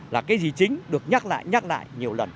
là cái gì chính được nhắc lại nhắc lại nhiều lần